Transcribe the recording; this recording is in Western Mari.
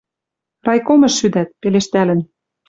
«Райкомыш шӱдӓт», — пелештӓлӹн